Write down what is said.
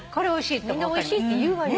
みんなおいしいって言うわよ。